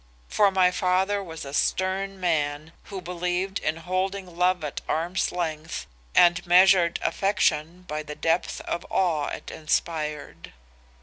For my father was a stern man who believed in holding love at arm's length and measured affection by the depth of awe it inspired.